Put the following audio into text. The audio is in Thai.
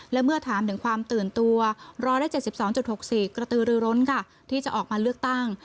และเมื่อถามถึงความตื่นตัว๑๗๒๖๔กระตือรือร้นค่ะที่จะออกมาเลือกตั้ง